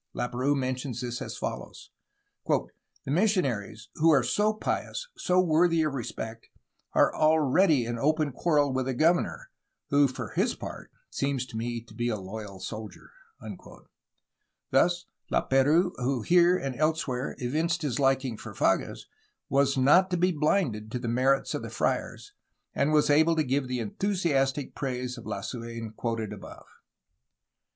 Lap6rouse mentions this as follows: "The missionaries, who are so pious, so worthy of respect, are already in open quarrel with the governor, who for his part seemed to me to be a loyal soldier." Thus, Lap^rouse, who here and elsewhere evinced his liking for Fages, was not blinded to the merits of the friars, and was able to give the enthusiastic praise of Lasuen quoted above.